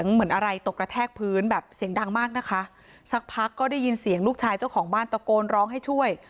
เหมือนอะไรตกกระแทกพื้นแบบเสียงดังมากนะคะสักพักก็ได้ยินเสียงลูกชายเจ้าของบ้านตะโกนร้องให้ช่วย